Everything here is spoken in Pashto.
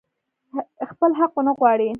خپل حق ونه غواړي.